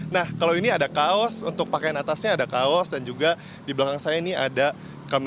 nah kalau ini ada kaos untuk pakaian atasnya ada kaos dan juga di belakang saya ini ada kamera